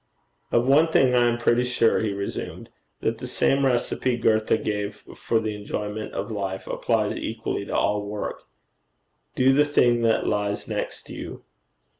'Of one thing I am pretty sure,' he resumed, 'that the same recipe Goethe gave for the enjoyment of life, applies equally to all work: "Do the thing that lies next you."